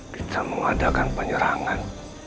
kita mengadakan penyerangan